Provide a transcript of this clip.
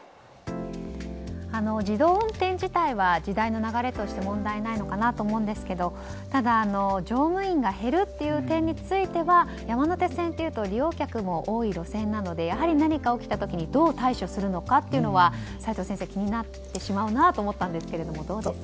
自動運転自体は時代の流れとして問題ないのかなと思うんですけどただ、乗務員が減るっていう点については山手線というと利用客も多い路線なのでやはり何か起きた時にどう対処するのかというのは齋藤先生、気になってしまうなと思ったのですが。